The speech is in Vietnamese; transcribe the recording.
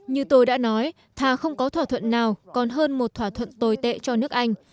như tôi đã nói thà không có thỏa thuận nào còn hơn một thỏa thuận tồi tệ cho nước anh